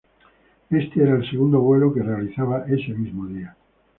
Este era el segundo vuelo que realizaba ese mismo día.